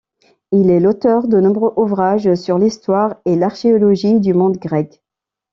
Il est l'auteur de nombreux ouvrages sur l'histoire et l'archéologie du monde grec.